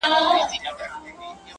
• ویل ځه مخته دي ښه سلا مُلاجانه -